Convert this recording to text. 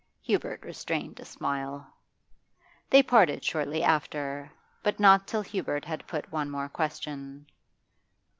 Hubert restrained a smile. They parted shortly after, but not till Hubert had put one more question.